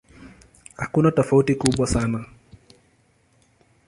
Hakuna tofauti kubwa sana.